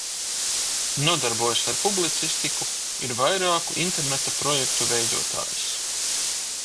Nodarbojas ar publicistiku, ir vairāku Interneta projektu veidotājs.